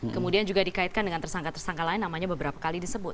kemudian juga dikaitkan dengan tersangka tersangka lain namanya beberapa kali disebut